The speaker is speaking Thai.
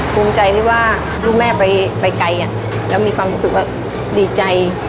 ภูมิใจที่ว่าลูกแม่ไปไกลแล้วมีความรู้สึกว่าดีใจ